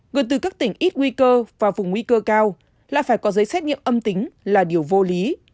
người từ các tỉnh ít nguy cơ và vùng nguy cơ cao lại phải có giấy xét nghiệm âm tính là điều vô lý